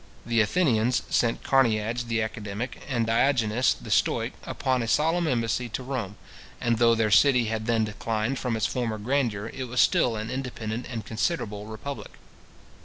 The Athenians sent Carneades the academic, and Diogenes the stoic, upon a solemn embassy to Rome; and though their city had then declined from its former grandeur, it was still an independent and considerable republic.